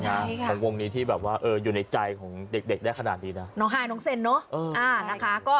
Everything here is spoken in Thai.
ใช่ค่ะของวงที่แบบว่าเอออยู่ในใจของเด็กได้ขนาดนี้นะน้องไฮน้องเซนเนอะ